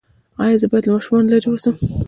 ایا زه باید له ماشومانو لرې اوسم؟